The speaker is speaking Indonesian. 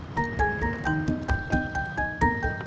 susah banget sih diajaknya